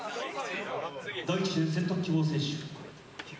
第一巡選択希望選手